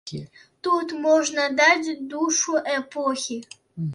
Тут можна даць душу эпохі.